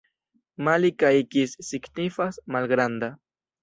Mali kaj kis signifas: malgranda.